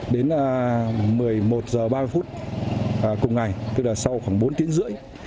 đến một mươi một h ba mươi phút cùng ngày tức là sau khoảng bốn tiếng rưỡi